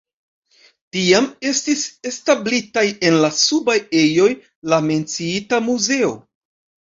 Tiam estis establitaj en la subaj ejoj la menciita muzeo.